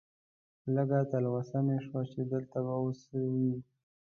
لږه تلوسه مې شوه چې دلته به اوس څه وي.